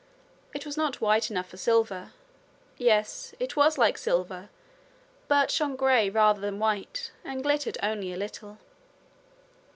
It was not white enough for silver yes, it was like silver, but shone grey rather than white, and glittered only a little.